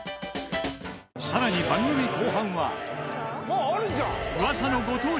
更に番組後半は